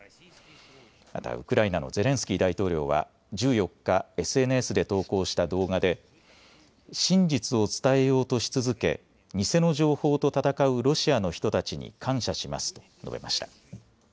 またウクライナのゼレンスキー大統領は１４日、ＳＮＳで投稿した動画で真実を伝えようとし続け偽の情報と戦うロシアの人たちに感謝しますと述べました。